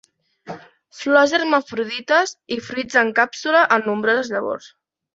Flors hermafrodites i fruits en càpsula amb nombroses llavors.